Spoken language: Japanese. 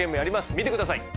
見てください。